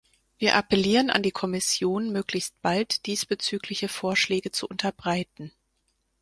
Wir appellieren an die Kommission, möglichst bald diesbezügliche Vorschläge zu unterbreiten.